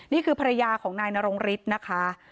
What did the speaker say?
นี่คือภรรยาของนายนรงฤทธิ์นะคะ